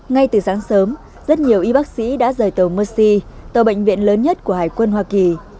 ngay từ sáng sớm rất nhiều y bác sĩ đã rời tàu mursi tàu bệnh viện lớn nhất của hải quân hoa kỳ